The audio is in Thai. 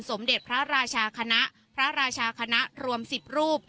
สมเด็จพระราชาคณะพระราชาคณะรวม๑๐รูป